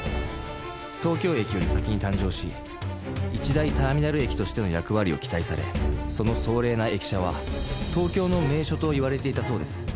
東京駅より先に誕生し一大ターミナル駅としての役割を期待されその壮麗な駅舎は東京の名所といわれていたそうです。